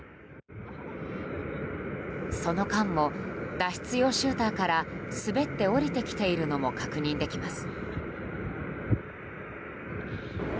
その間も脱出用シューターから滑って降りてきているのも確認できます。